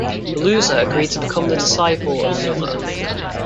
The loser agreed to become the disciple of the other.